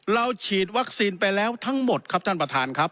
ฉีดวัคซีนไปแล้วทั้งหมดครับท่านประธานครับ